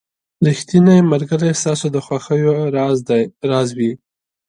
• ریښتینی ملګری ستا د خوښیو راز وي.